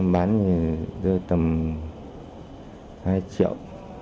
em bán thì rơi tầm hai triệu